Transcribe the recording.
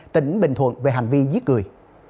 tỉnh bình thuận về hành vi giết người